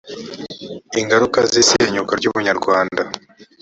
ingaruka z isenyuka ry ubunyarwanda